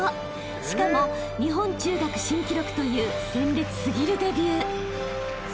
［しかも日本中学新記録という鮮烈過ぎるデビュー］